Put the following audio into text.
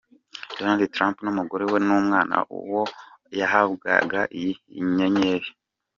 Donald Trump n'umugore we n'umwana ubwo yahabwaga iyi nyenyeri.